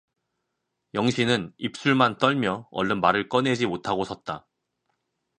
영신은 입술만 떨며 얼른 말을 꺼내지 못하고 섰다.